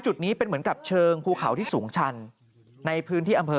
จุดนี้เป็นเหมือนกับเชิงภูเขาที่สูงชันในพื้นที่อำเภอ